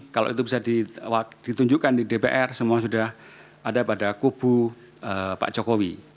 kalau itu bisa ditunjukkan di dpr semua sudah ada pada kubu pak jokowi